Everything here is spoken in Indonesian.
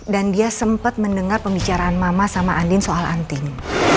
dia sempat mendengar pembicaraan mama sama andin soal anting